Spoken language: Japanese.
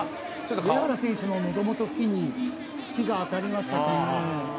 上原選手の喉元付近に突きが当たりましたかね